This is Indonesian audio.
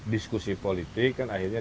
diskusi politik kan akhirnya